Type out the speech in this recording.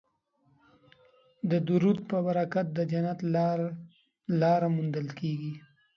د درود په برکت د جنت لاره موندل کیږي